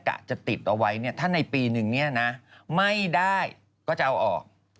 กะจะติดเอาไว้เนี่ยถ้าในปีนึงเนี่ยนะไม่ได้ก็จะเอาออก